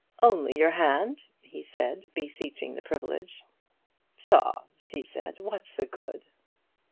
"Only your hand," he said, beseeching the privilege. "Pshaw," she said, "what's the good?"